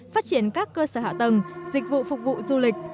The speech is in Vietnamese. phát triển các cơ sở hạ tầng dịch vụ phục vụ du lịch